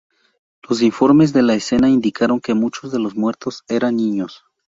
Los informes de la escena indicaron que muchos de los muertos eran niños.